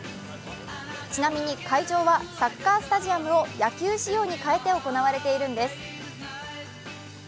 ちなみに会場はサッカースタジアムを野球仕様に変えて行われているんです。